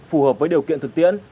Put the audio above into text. phù hợp với điều kiện thực tiễn